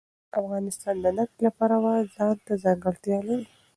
افغانستان د نفت د پلوه ځانته ځانګړتیا لري.